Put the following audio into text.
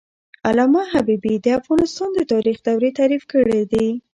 علامه حبيبي د افغانستان د تاریخ دورې تعریف کړې دي.